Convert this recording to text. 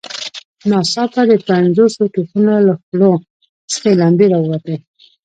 ناڅاپه د پنځوسو توپونو له خولو سرې لمبې را ووتې.